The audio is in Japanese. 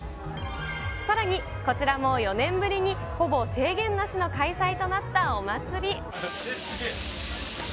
さらにこちらも４年ぶりに、ほぼ制限なしの開催となったお祭り。